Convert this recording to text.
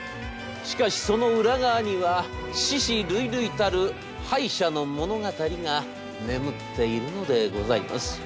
しかしその裏側には死屍累々たる敗者の物語が眠っているのでございます。